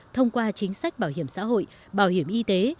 thông qua chính sách bảo hiểm xã hội bảo hiểm y tế